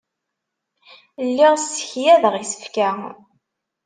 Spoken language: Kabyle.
Lliɣ ssekyadeɣ isefka.